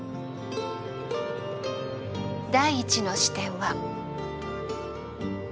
第１の視点は。